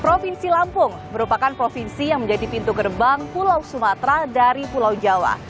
provinsi lampung merupakan provinsi yang menjadi pintu gerbang pulau sumatera dari pulau jawa